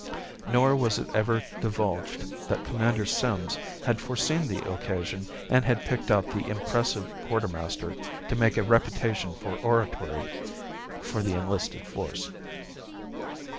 Nor was it ever divulged that Commander Sims had foreseen the occasion and had picked out the impressive quartermaster to make a reputation for oratory for the enlisted force.